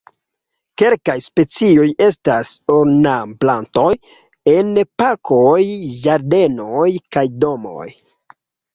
Kelkaj specioj estas ornamplantoj en parkoj, ĝardenoj kaj domoj.